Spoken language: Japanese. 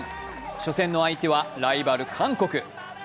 初戦の相手はライバル韓国。